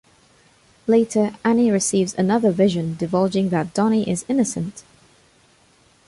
Later, Annie receives another vision divulging that Donnie is innocent.